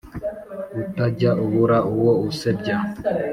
utajya ubura uwo usebya?